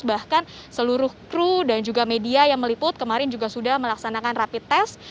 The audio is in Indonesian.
bahkan seluruh kru dan juga media yang meliput kemarin juga sudah melaksanakan rapid test